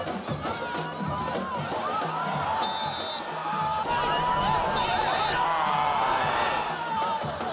ああ。